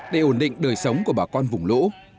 để ổn định đời sống của bà con vùng lũ